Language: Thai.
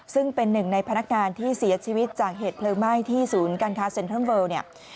ซึ่งเป็นหนึ่งในพนักงานที่เสียชีวิตจากเหตุเพลิงไหม้ที่ศูนย์การค้าเซ็นทรัลเวิลเนี่ย